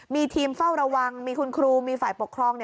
มีทีมเฝ้าระวังมีคุณครูมีฝ่ายปกครอง